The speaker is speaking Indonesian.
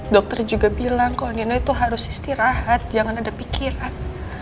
dokter juga bilang kalau nino itu harus istirahat jangan ada pikiran